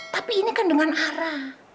tapi ini kan dengan arah